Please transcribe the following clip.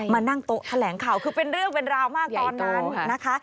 มานั่งโต๊ะแถลงข่าวคือเป็นเรื่องเป็นราวมากตอนนั้นนะคะ